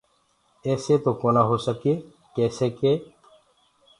ايسي تو ڪونآ هوسگي ڪيسي ڪي